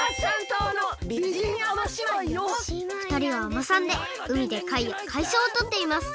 せのふたりは海女さんでうみでかいやかいそうをとっています。